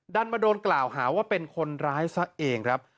ดันมาโดนกล่าวหาว่าเป็นคนร้ายซะเองครับ